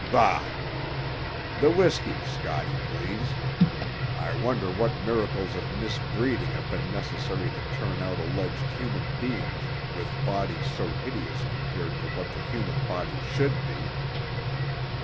Bah! The whisky, Scotty, please. I wonder what miracles of misbreeding have been necessary to turn out alleged human beings with bodies so hideous compared to what the human body should be.